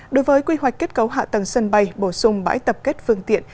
đối với quy hoạch kết cấu hạ tầng sân bay bổ sung bãi tập kết phương tiện